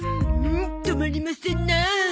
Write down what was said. んたまりませんなあ。